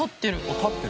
立ってる。